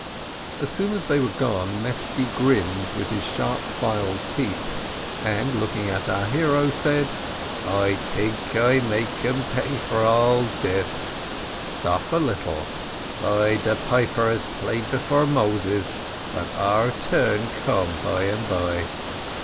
As soon as they were gone, Mesty grinned with his sharp filed teeth, and looking at our hero, said: "I tink I make um pay for all dis stop a little; by de piper as played before Moses, but our turn come by and by."